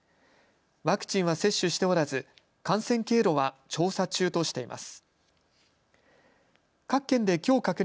ワクチンは接種しておらず感染経路は調査中としています。